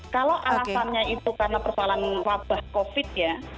kalau alasannya itu karena persoalan wabah covid ya